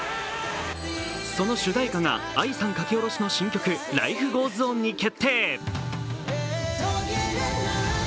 その主題歌がＡＩさん書き下ろしの新曲、「ＬｉｆｅＧｏｅｓＯｎ」に決定。